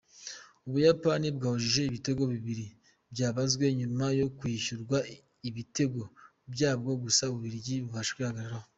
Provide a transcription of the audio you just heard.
Ubuyapani bwahushije ibitego bibiri byabazwe nyuma yo kwishyurwa ibitego byabwo gusa Ububiligi bubasha kwihagararaho.